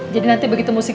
jadi nanti begitu musik